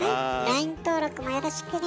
ＬＩＮＥ登録もよろしくね。